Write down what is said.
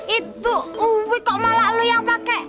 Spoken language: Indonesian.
itu uik kok malah lo yang pake